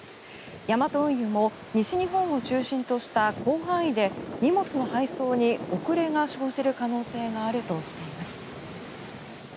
ヤマト運輸も西日本を中心とした広範囲で荷物の配送に遅れが生じる可能性があるとしています。